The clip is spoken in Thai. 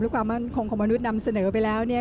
และความมั่นคงของมนุษย์นำเสนอไปแล้วเนี่ย